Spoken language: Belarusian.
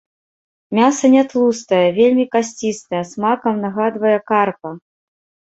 Мяса нятлустае, вельмі касцістае, смакам нагадвае карпа.